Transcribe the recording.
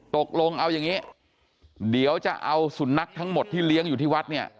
ตกลงเอาอย่างนี้เดี๋ยวจะเอาสุนัขทั้งหมดที่เลี้ยงอยู่ที่วัดเนี่ย